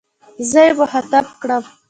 زه يې مخاطب کړم.